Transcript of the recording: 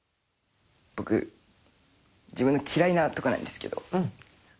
僕自分の嫌いなとこなんですけど。